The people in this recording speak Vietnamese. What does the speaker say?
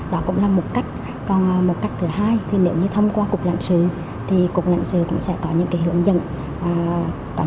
đó cũng là một cách còn một cách thứ hai thì nếu như thông qua cục lãnh sự thì cục lãnh sự cũng sẽ có những hướng dẫn